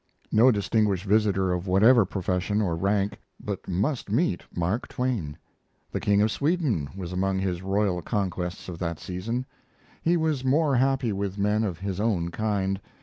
No distinguished visitor of whatever profession or rank but must meet Mark Twain. The King of Sweden was among his royal conquests of that season. He was more happy with men of his own kind.